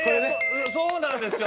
そうなんですよ